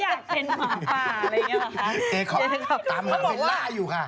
ใช่เขาอยากเช็คมองป่าอะไรอย่างนี้หรอคะ